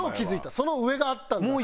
その上があったんだって。